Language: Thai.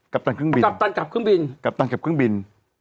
กับตันเก็บเครื่องบิน